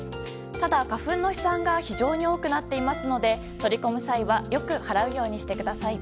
ただ、花粉の飛散が非常に多くなっていますので取り込む際はよく払うようにしてください。